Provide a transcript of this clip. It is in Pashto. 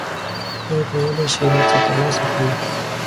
ته کولای شې هر څه ترلاسه کړې.